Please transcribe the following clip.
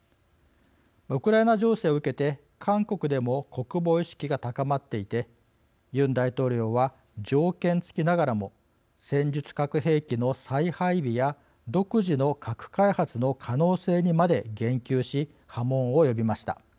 ウクライナ情勢を受けて韓国でも国防意識が高まっていてユン大統領は条件付きながらも戦術核兵器の再配備や独自の核開発の可能性にまで言及し波紋を呼びました。